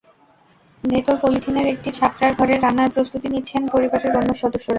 ভেতর পলিথিনের একটি ছাপরার ঘরে রান্নার প্রস্তুতি নিচ্ছেন পরিবারের অন্য সদস্যরা।